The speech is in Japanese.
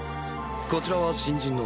こちらは新人の。